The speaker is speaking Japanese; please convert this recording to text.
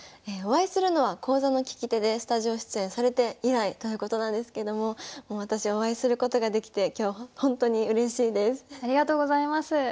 お会いするのは講座の聞き手でスタジオ出演されて以来ということなんですけども私お会いすることができて今日ほんとにうれしいです。